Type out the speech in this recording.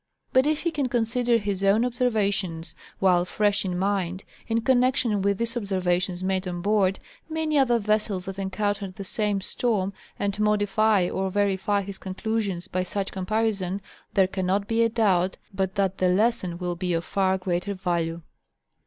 But if he can consider his own observations, while fresh in mind, in connection with the ob servations made on board many other vessels that encountered the same storm, and modify or verify his conclusions by such comparison, there cannot be a doubt but that the lesson will be of far greater value.